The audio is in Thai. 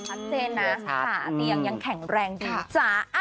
คัทเจนนะสาเหตุเองยังแข็งแรงดีจ๊ะ